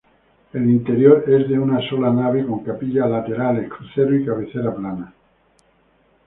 El interior es de una sola nave, con capillas laterales, crucero y cabecera plana.